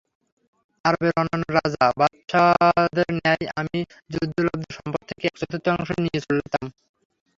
আরবের অন্যান্য রাজা বাদশাহদের ন্যায় আমি যুদ্ধলব্ধ সম্পদ থেকে এক চতুর্থাংশ নিয়ে চলতাম।